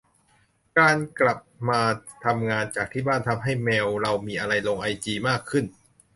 การกลับมาทำงานจากที่บ้าน ทำให้แมวเรามีอะไรลงไอจีมากขึ้น